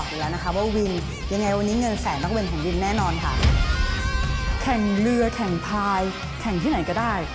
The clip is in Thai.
แข่งเรือแข่งพายแข่งที่ไหนก็ได้